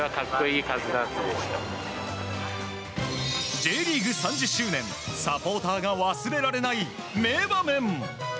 Ｊリーグ３０周年サポーターが忘れられない名場面。